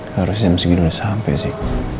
harusnya miskin udah sampe sih